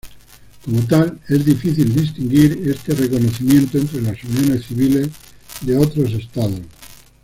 Como tal, es difícil distinguir este reconocimiento entre las uniones civiles de otros estados.